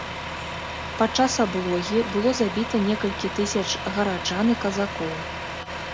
Падчас аблогі было забіта некалькі тысяч гараджан і казакоў.